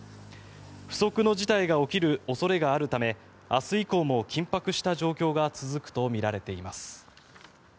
不測の事態が起きる恐れがあるため明日以降も緊迫した状況が続くとみられます。